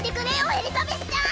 エリザベスちゃん！